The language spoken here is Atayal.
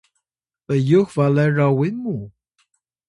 pyux balay rawin muw